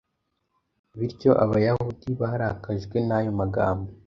Bityo Abayahudi barakajwe n’ayo magambo.